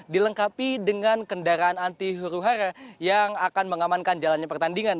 dilengkapi dengan kendaraan anti huru hara yang akan mengamankan jalannya pertandingan